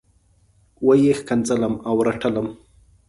وه یې ښکنځلم او رټلم.